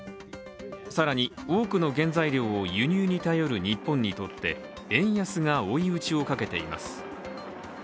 更に多くの原材料を、輸入に頼る日本にとって円安が追い打ちをかけています。